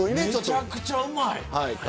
めちゃくちゃうまい。